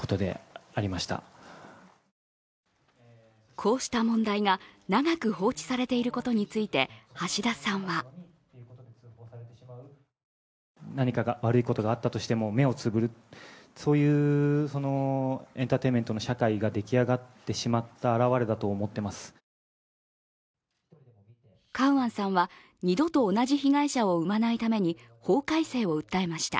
こうした問題が長く放置されていることについて橋田さんはカウアンさんは、二度と同じ被害者を生まないために法改正を訴えました。